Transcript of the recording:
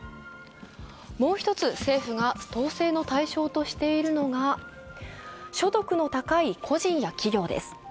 もう１つ、政府が統制の対象としているのが所得の高い個人や企業です。